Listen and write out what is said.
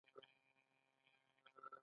آیا چې باید ومنل شي؟